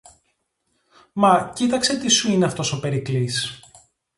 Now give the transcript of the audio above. Μα κοίταξε τι σου είναι αυτός ο Περικλής!